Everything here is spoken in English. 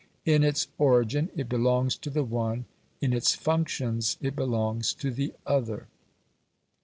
In its origin it belongs to the one, in its functions it belongs to the other.